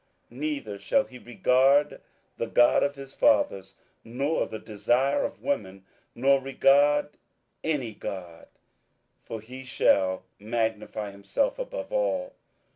27:011:037 Neither shall he regard the God of his fathers, nor the desire of women, nor regard any god: for he shall magnify himself above all.